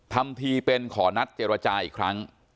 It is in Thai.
ทำทีเป็นขอนัดเจรจาอีกครั้ง